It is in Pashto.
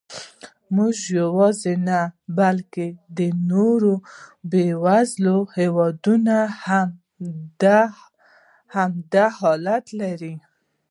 موږ یواځې نه، بلکې د نورو بېوزلو هېوادونو هم همدا حالت لري.